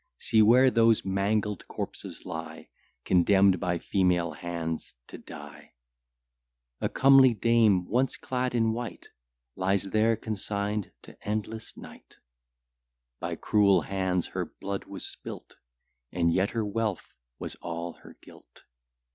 See where those mangled corpses lie, Condemn'd by female hands to die; A comely dame once clad in white, Lies there consign'd to endless night; By cruel hands her blood was spilt, And yet her wealth was all her guilt.